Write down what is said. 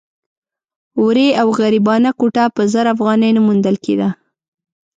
ورې او غریبانه کوټه په زر افغانۍ نه موندل کېده.